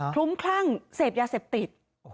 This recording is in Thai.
คลุมคลั่งเสพยาเศรษฐิษฐ์